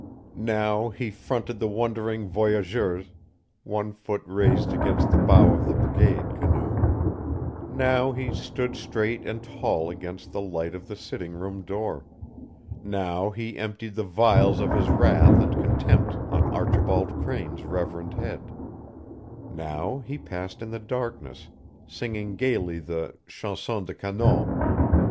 Now he fronted the wondering voyageurs, one foot raised against the bow of the brigade canoe; now he stood straight and tall against the light of the sitting room door; now he emptied the vials of his wrath and contempt on Archibald Crane's reverend head; now he passed in the darkness, singing gayly the chanson de canôt.